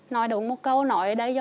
nói đúng một câu nói là không có gì cả